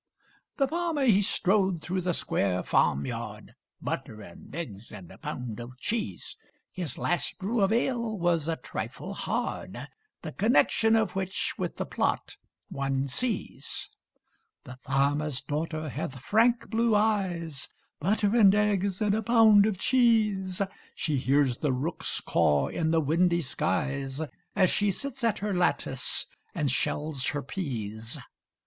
The farmer he strode through the square farmyard; (Butter and eggs and a pound of cheese) His last brew of ale was a trifle hard The connection of which with the plot one sees. The farmer's daughter hath frank blue eyes; (Butter and eggs and a pound of cheese) She hears the rooks caw in the windy skies, As she sits at her lattice and shells her peas.